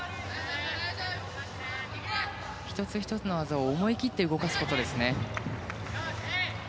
１つ１つの技を思い切って動かすことですね。